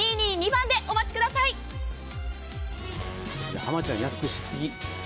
ハマちゃん安くしすぎ。